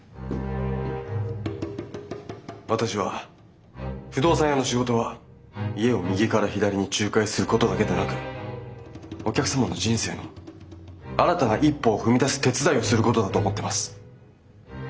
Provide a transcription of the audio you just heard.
私は不動産屋の仕事は家を右から左に仲介することだけでなくお客様の人生の新たな一歩を踏み出す手伝いをすることだと思ってます。